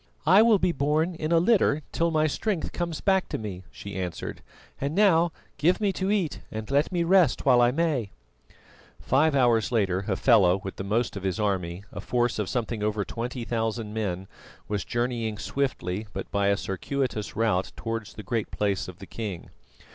"I will be borne in a litter till my strength comes back to me," she answered. "And now give me to eat and let me rest while I may." Five hours later, Hafela with the most of his army, a force of something over twenty thousand men, was journeying swiftly but by a circuitous route towards the Great Place of the king.